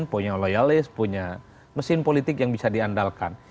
punya loyalis punya mesin politik yang bisa diandalkan